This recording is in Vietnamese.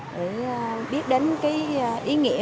để biết đến cái ý nghĩa